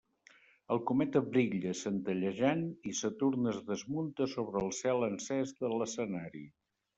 El cometa brilla, centellejant, i Saturn es desmunta sobre el cel encès de l'escenari.